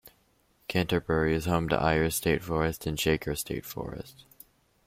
Canterbury is home to Ayers State Forest and Shaker State Forest.